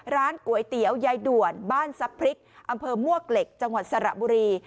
ร้านก๋วยเตี๋ยวยายด่วนบ้านซับพริกอำเภอมวกเหล็กจังหวัดสระบุรี